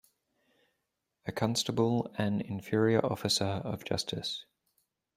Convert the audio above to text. A constable an inferior officer of justice.